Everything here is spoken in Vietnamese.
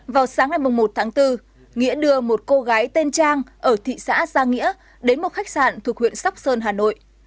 vào sáng ngày một tháng bốn nghĩa đưa một cô gái tên trang ở thị xã giang nghĩa đến một khách sạn thuộc huyện sóc sơn hà nội